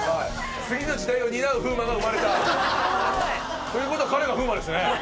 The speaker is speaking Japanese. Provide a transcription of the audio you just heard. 次の時代を担う風磨が生まれた。ということは彼が風磨ですね。